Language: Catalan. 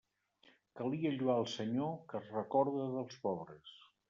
Calia lloar el Senyor, que es recorda dels pobres.